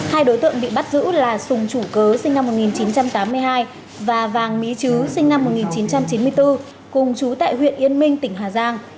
hai đối tượng bị bắt giữ là sùng chủ cớ sinh năm một nghìn chín trăm tám mươi hai và vàng mỹ chứ sinh năm một nghìn chín trăm chín mươi bốn cùng chú tại huyện yên minh tỉnh hà giang